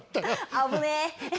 危ねえ。